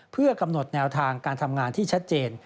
เพื่อกำหนดแนวทางการทำงานที่ชัดเจน